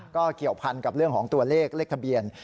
ก็เกี่ยวพันกับเรื่องของตัวเลขเลขทะเบียน